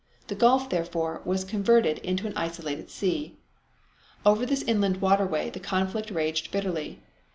The gulf, therefore, was converted into an isolated sea. Over this inland waterway the conflict raged bitterly.